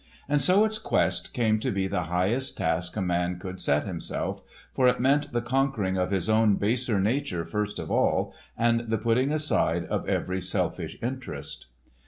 And so its quest came to be the highest task a man could set himself, for it meant the conquering of his own baser nature first of all, and the putting aside of every selfish interest.